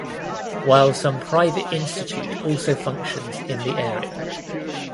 While some private institute also functions in the area.